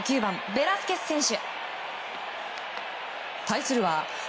ベラスケス選手